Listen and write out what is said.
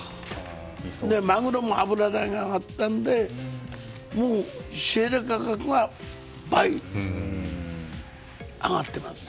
マグロも油代が上がったのでもう、仕入れ価格が倍に上がってます。